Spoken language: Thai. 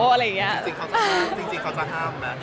จริงเขาจะห้ามไหม